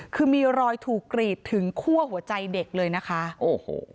คือมีรอยถูกกรีดถึงคั่วหัวใจเด็กเลยนะคะโอ้โห